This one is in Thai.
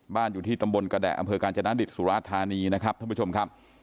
อยู่ที่ตำบลกระแดะอำเภอกาญจนดิตสุราธานีนะครับท่านผู้ชมครับ